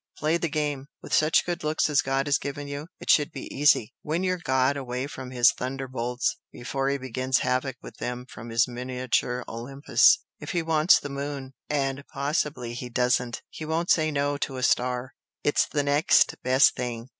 Play the game! With such looks as God has given you, it should be easy! Win your 'god' away from his thunderbolts before he begins havoc with them from his miniature Olympus. If he wants the 'moon' (and possibly he doesn't!) he won't say no to a star, it's the next best thing.